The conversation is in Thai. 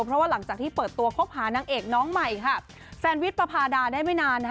เพราะว่าหลังจากที่เปิดตัวคบหานางเอกน้องใหม่ค่ะแซนวิชประพาดาได้ไม่นาน